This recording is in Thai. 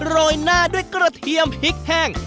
โรยหน้าด้วยกระเทียมพริกแห้ง